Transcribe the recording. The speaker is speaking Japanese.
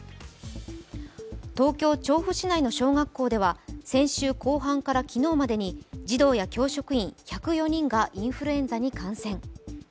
東京・調布市内の小学校では先週後半から昨日までに児童、教職員１０４人がインフルエンザに感染。